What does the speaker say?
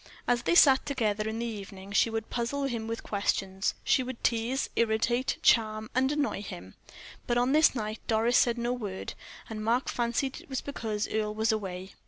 As they sat together in the evening, she would puzzle him with questions she would tease, irritate, charm, and annoy him. But on this night Doris said no word, and Mark fancied it was because Earle was away.